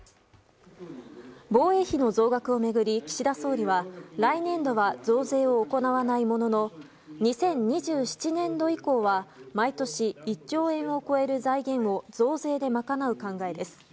防衛費の増額を巡り岸田総理は来年度は増税を行わないものの２０２７年度以降は毎年１兆円を超える財源を増税で賄う考えです。